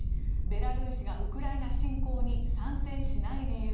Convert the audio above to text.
ベラルーシがウクライナ侵攻に参戦しない理由。